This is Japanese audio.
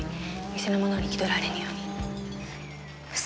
店の者に気取られぬように。